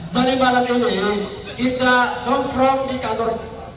jadi malam ini kita non frog di kantor